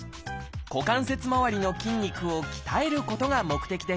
股関節周りの筋肉を鍛えることが目的です